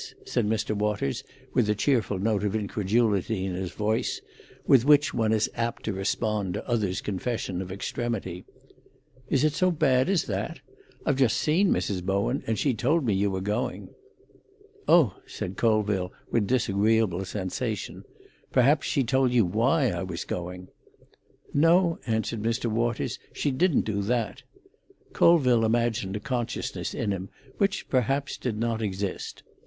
said Mr. Waters, with the cheerful note of incredulity in his voice with which one is apt to respond to others' confession of extremity. "Is it so bad as that? I've just seen Mrs. Bowen, and she told me you were going." "Oh," said Colville, with disagreeable sensation, "perhaps she told you why I was going." "No," answered Mr. Waters; "she didn't do that." Colville imagined a consciousness in him, which perhaps did not exist.